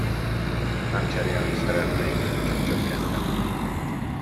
Nem cserélni szeretnénk, csak csökkenteni.